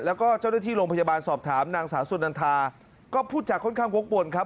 แล้วก็เจ้าหน้าที่โรงพยาบาลสอบถามนางสาวสุนันทาก็พูดจากค่อนข้างวกวนครับ